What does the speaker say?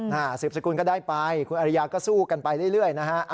สืบสกุลก็ได้ไปคุณอริยาก็สู้กันไปเรื่อยนะฮะ